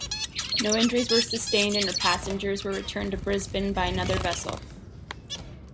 No injuries were sustained, and her passengers were returned to Brisbane by another vessel.